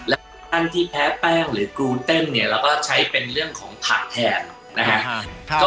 และอันที่แพ้แป้งหรือกรูเต้นเนี่ยเราก็ใช้เป็นเรื่องของผักแทนนะฮะ